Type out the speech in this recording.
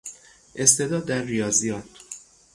استعداد در ریاضیات